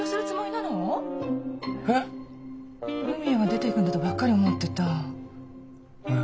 文也が出ていくんだとばっかり思ってた。